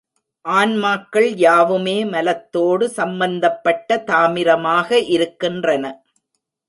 ஆன்மாக்கள் யாவுமே மலத்தோடு சம்பந்தப்பட்ட தாமிரமாக இருக்கின்றன.